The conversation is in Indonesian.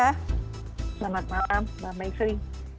selamat malam mbak maik sri